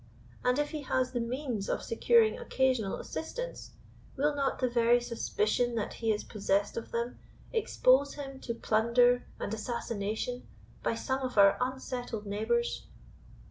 and if he has the means of securing occasional assistance, will not the very suspicion that he is possessed of them, expose him to plunder and assassination by some of our unsettled neighbours?"